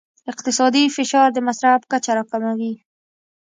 اقتصادي فشار د مصرف کچه راکموي.